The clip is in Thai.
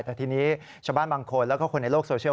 แต่ทีนี้ชาวบ้านบางคนแล้วก็คนในโลกโซเชียล